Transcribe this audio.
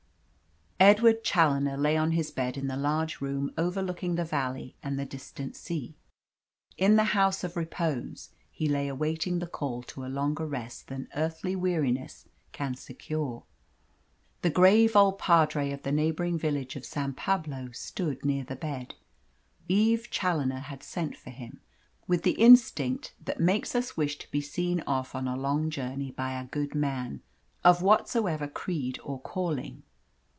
Edward Challoner lay on his bed in the large room overlooking the valley and the distant sea. In the House of Repose he lay awaiting the call to a longer rest than earthly weariness can secure. The grave old Padre of the neighbouring village of St. Pablo stood near the bed. Eve Challoner had sent for him, with the instinct that makes us wish to be seen off on a long journey by a good man, of whatsoever creed or calling.